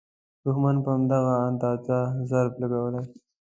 دوښمن په همدغه اندازه ضرب لګولی.